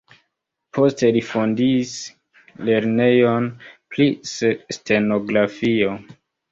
Poste li fondis lernejon pri stenografio.